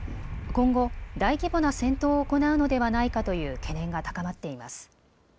今後、大規模な戦闘を行うのではないかという懸念が高まっています。